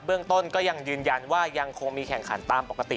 เรื่องต้นก็ยังยืนยันว่ายังคงมีแข่งขันตามปกติ